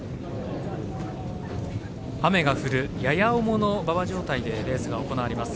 雨が降るやや重の馬場状態でレースが行われています。